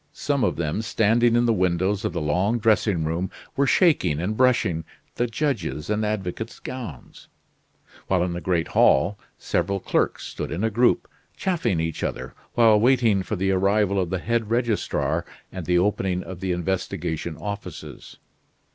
Some of them standing in the windows of the long dressing room were shaking and brushing the judges' and advocates' gowns; while in the great hall several clerks stood in a group, chaffing each other while waiting for the arrival of the head registrar and the opening of the investigation offices.